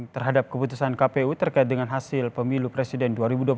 terhadap keputusan kpu terkait dengan hasil pemilu presiden dua ribu dua puluh empat